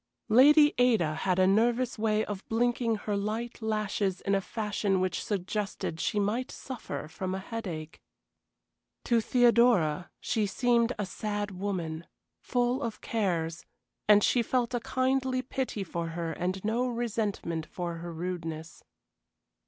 Lady Ada had a nervous way of blinking her light lashes in a fashion which suggested she might suffer from headache. To Theodora she seemed a sad woman, full of cares, and she felt a kindly pity for her and no resentment for her rudeness.